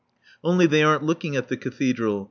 Only they aren't looking at the Cathedral.